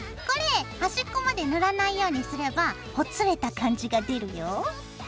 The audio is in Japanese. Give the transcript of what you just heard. これ端っこまで塗らないようにすればほつれた感じが出るよ。